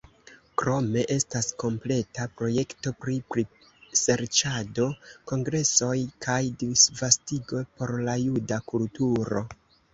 Krome estas kompleta projekto pri priserĉado, kongresoj kaj disvastigo por la juda kulturo.